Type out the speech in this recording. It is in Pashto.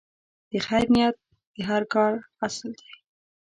د خیر نیت د هر کار اصل دی.